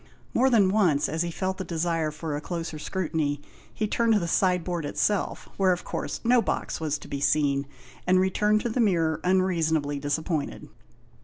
More than once, as he felt the desire for a closer scrutiny, he turned to the sideboard itself, where of course no box was to be seen, and returned to the mirror unreasonably 131 &HOST TALES, disappointed.